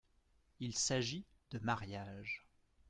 Il s’agit de mariage.